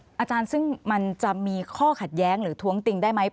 อาจารย์ซึ่งมันจะมีข้อขัดแย้งหรือท้วงติงได้ไหม